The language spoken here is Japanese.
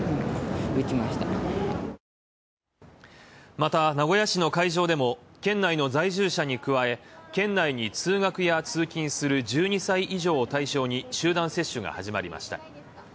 また、名古屋市の会場でも県内の在住者に加え、県内に通学や通勤する１２歳以上を対象に集団接種が始まりました。